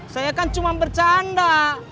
saya kan cuma bercanda